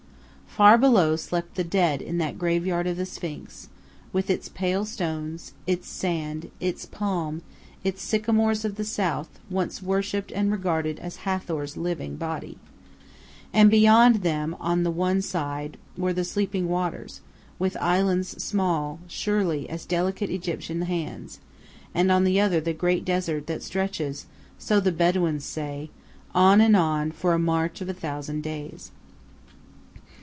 Far below slept the dead in that graveyard of the Sphinx, with its pale stones, its sand, its palm, its "Sycamores of the South," once worshipped and regarded as Hathor's living body. And beyond them on one side were the sleeping waters, with islands small, surely, as delicate Egyptian hands, and on the other the great desert that stretches, so the Bedouins say, on and on "for a march of a thousand days."